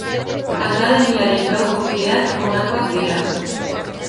Akademiaren gaurko kideak honakoak dira.